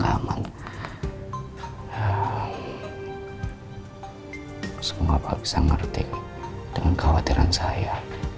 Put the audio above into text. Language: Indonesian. gak aman semua pak al bisa ngerti dengan khawatiran saya